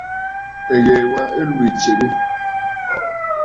Ɨ́ɣèè wā ɨ́ í tʃégə́.